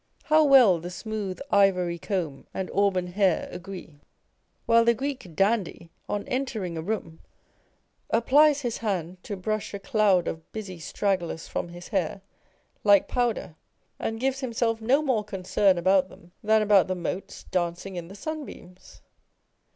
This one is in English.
How well the smooth ivory comb and auburn hair agree â€" while the Greek dandy, on entering a room, applies his hand to brush a cloud of busy stragglers from his hair like powder, and gives himself no more concern about them than about the motes dancing in the sunbeams